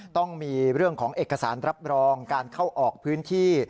ต้องมีเรื่องของเอกสารรับรองการเข้าออกพื้นที่